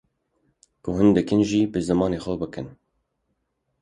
Ku hûn dikin jî bi zimanê xwe bikin